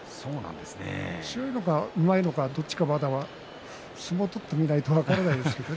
強いのかうまいのかまだどっちか相撲を取ってみないと分からないですけれども。